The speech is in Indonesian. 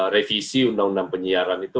revisi undang undang penyiaran itu